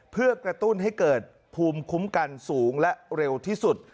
เพื่อกระตุ้นให้เกิดภูมิคุ้มกันสูงและเร็วที่สุด